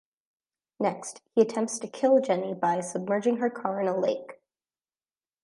Next, he attempts to kill Jenny by submerging her car in a lake.